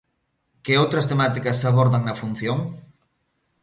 Que outras temáticas se abordan na función?